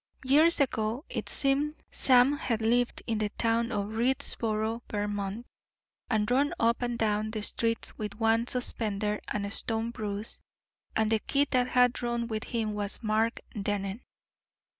Years ago, it seemed, Sam had lived in the town of Readsboro, Vermont, and run up and down the streets with one suspender and a stone bruise, and the kid that had run with him was Mark Dennen.